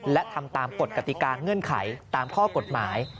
และทำตามกฎกติกาเงื่อนไขตามข้อกฎหมาย